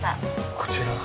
こちらが。